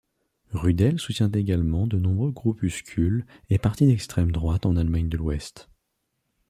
Rudel soutient également de nombreux groupuscules et partis d'extrême-droite en Allemagne de l'Ouest.